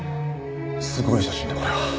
すごい写真だこれは。